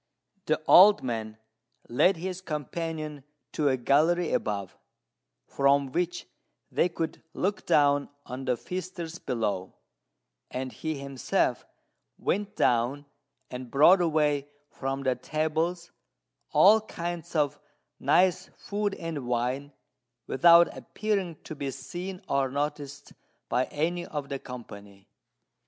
The old man led his companion to a gallery above, from which they could look down on the feasters below; and he himself went down and brought away from the tables all kinds of nice food and wine, without appearing to be seen or noticed by any of the company.